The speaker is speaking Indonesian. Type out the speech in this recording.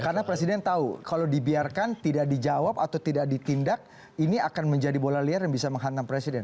karena presiden tahu kalau dibiarkan tidak dijawab atau tidak ditindak ini akan menjadi bola liar yang bisa menghantam presiden